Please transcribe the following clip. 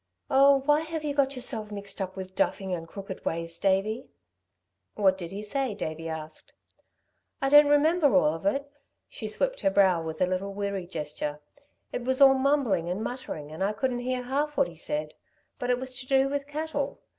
Oh, why have you got yourself mixed up with duffing and crooked ways, Davey?" "What did he say?" Davey asked. "I don't remember all of it." She swept her brow with a little weary gesture. "It was all mumbling and muttering, and I couldn't hear half what he said but it was to do with cattle.